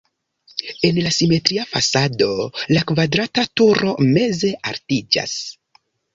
En la simetria fasado la kvadrata turo meze altiĝas.